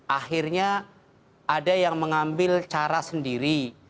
akhirnya ada yang mengambil cara sendiri